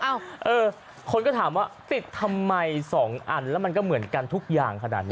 เออคนก็ถามว่าติดทำไม๒อันแล้วมันก็เหมือนกันทุกอย่างขนาดนี้